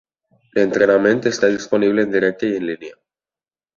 L'entrenament està disponible en directe i en línia.